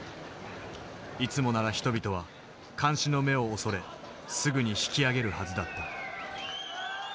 いつもなら人々は監視の目を恐れすぐに引き揚げるはずだった。